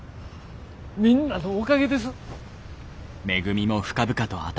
みんなのおかげです。